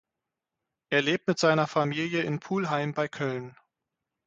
Er lebt mit seiner Familie in Pulheim bei Köln.